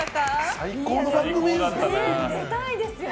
最高の番組ですね。